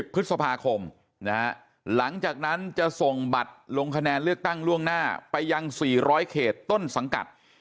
พฤษภาคมหลังจากนั้นจะส่งบัตรลงคะแนนเลือกตั้งล่วงหน้าไปยัง๔๐๐เขตต้นสังกัด